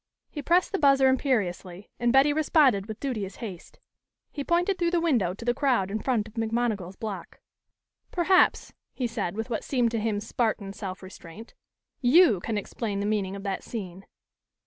He pressed the buzzer imperiously, and Betty responded with duteous haste. He pointed through the window to the crowd in front of McMonigal's block. "Perhaps," he said, with what seemed to him Spartan self restraint, "you can explain the meaning of that scene."